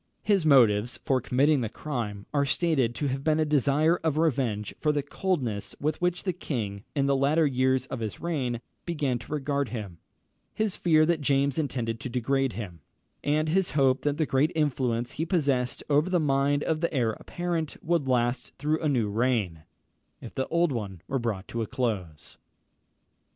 His motives for committing the crime are stated to have been a desire of revenge for the coldness with which the king, in the latter years of his reign, began to regard him; his fear that James intended to degrade him; and his hope that the great influence he possessed over the mind of the heir apparent would last through a new reign, if the old one were brought to a close.